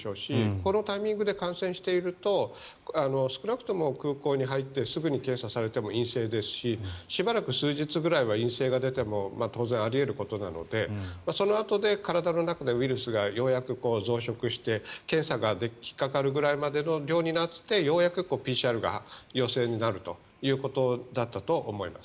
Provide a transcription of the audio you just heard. このタイミングで感染していると少なくとも空港に入ってすぐに検査されても陰性ですししばらく数日ぐらいは陰性が出ても当然あり得ることなのでそのあとで体の中でウイルスがようやく増殖して、検査に引っかかるくらいの量になってようやくＰＣＲが陽性になるということだったと思います。